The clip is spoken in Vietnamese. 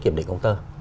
kiểm định công tơ